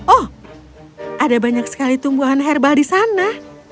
oh ada banyak sekali tumbuhan herbal di sana